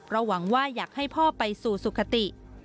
หวังว่าอยากให้พ่อไปสู่สุขติ